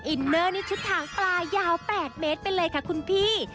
อินเนอร์นี่ชุดหางปลายาว๘เมตรไปเลยค่ะคุณพี่